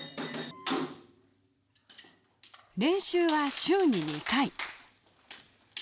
練習は週に２回。